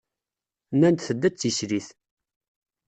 Nnan-d tedda d tislit.